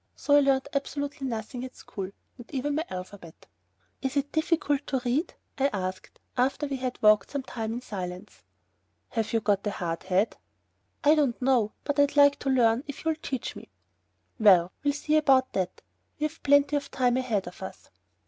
So I learnt absolutely nothing at school, not even my alphabet. "Is it difficult to read?" I asked, after we had walked some time in silence. "Have you got a hard head?" "I don't know, but I'd like to learn if you'll teach me." "Well, we'll see about that. We've plenty of time ahead of us."